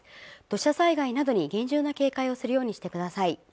土砂災害などに厳重な警戒をするようにしてください